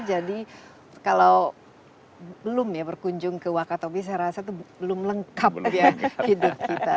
jadi kalau belum ya berkunjung ke wakatobi saya rasa itu belum lengkap ya hidup kita